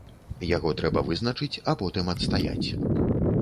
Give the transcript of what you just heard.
Яго трэба вызначыць, а потым адстаяць.